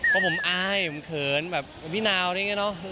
เพราะผมอ้ายผมเขินแบบพี่นาวนี่เนี่ยเนอะ